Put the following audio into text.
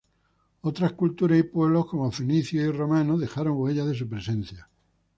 Otras culturas y pueblos, como fenicios y romanos dejaron huellas de su presencia.